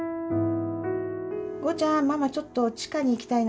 「豪ちゃんママちょっと地下に行きたいな」